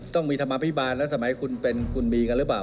ต้องมีธรรมาภิบาลแล้วสมัยคุณเป็นคุณมีกันหรือเปล่า